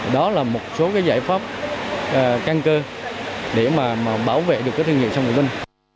đó là một số giải pháp căn cơ để mà bảo vệ được các thương hiệu sâm ngọc linh